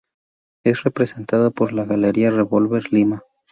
Es representada por la Galería Revolver, Lima.